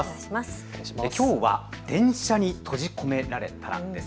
きょうは電車に閉じ込められたらです。